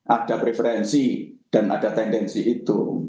ada preferensi dan ada tendensi itu